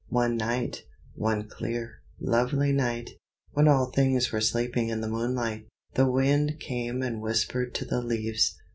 One night, one clear, lovely night, when all things were sleeping in the moonlight, the Wind came and whispered to the leaves.